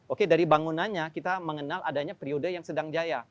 oke dari bangunannya kita mengenal adanya periode yang sedang jaya